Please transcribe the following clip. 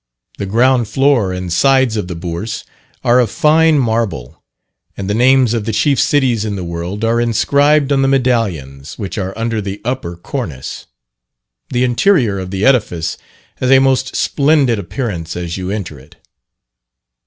The ground floor and sides of the Bourse, are of fine marble, and the names of the chief cities in the world are inscribed on the medallions, which are under the upper cornice. The interior of the edifice has a most splendid appearance as you enter it.